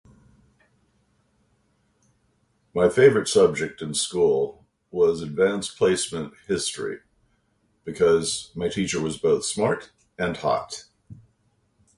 My favorite subject in school was advanced placement history because my teacher was both smart and hot.